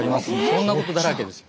そんなことだらけです。